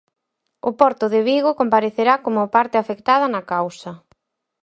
O porto de Vigo comparecerá como parte afectada na causa.